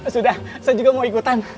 sudah saya juga mau ikutan